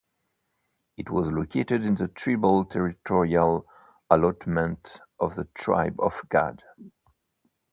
It was located in the tribal territorial allotment of the tribe of Gad.